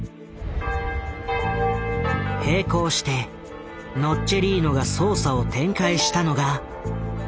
並行してノッチェリーノが捜査を展開したのがフィレンツェ。